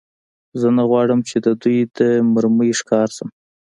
زه نه غواړم، چې د دوی د مرمۍ ښکار شم.